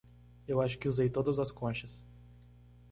Eu acho que usei todas as conchas.